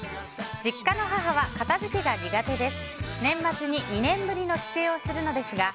実家の母は片付けが苦手です。